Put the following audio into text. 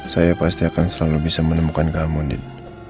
saya pasti akan selalu bisa menemukan kamu andin